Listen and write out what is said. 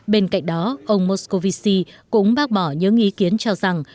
bên cạnh đó ông morsovisi cũng bác bỏ những ý kiến cho rằng